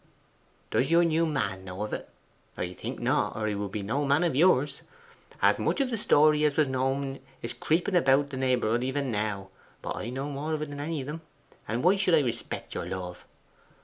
'Does your new man know of it? I think not, or he would be no man of yours! As much of the story as was known is creeping about the neighbourhood even now; but I know more than any of them, and why should I respect your love?